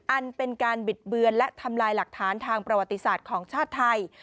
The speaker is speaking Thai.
อันเป็นการบิดเบือนและทำลายหลักฐานทางประวัติศาสตร์ของชาติไทย